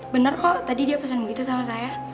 bener kok tadi dia pesen gitu sama saya